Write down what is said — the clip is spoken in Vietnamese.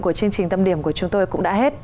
của chương trình tâm điểm của chúng tôi cũng đã hết